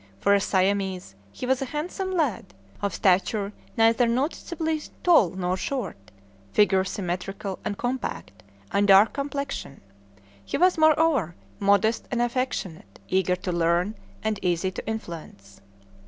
For a Siamese, he was a handsome lad; of stature neither noticeably tall nor short; figure symmetrical and compact, and dark complexion. He was, moreover, modest and affectionate, eager to learn, and easy to influence.